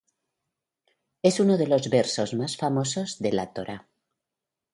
Es uno de los versos más famosos de la Torá.